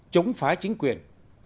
chống phá chính quyền